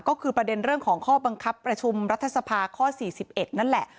ก็คือประเด็นเรื่องของข้อบังคับประชุมรัฐสภาข้อ๔๑นั่นแหละ